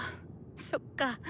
そっか。